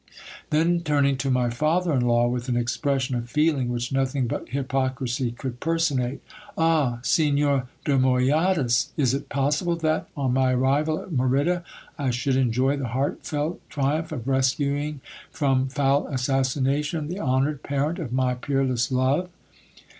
Then turning to my father in law, with an expression of feeling which nothing but hypocrisy could personate : Ah ! Signor de Moyadas, is it possible that, on my arrival at Merida, I should enjoy the heartfelt triumph of rescuing from foul assassination the honoured parent of my peerless love?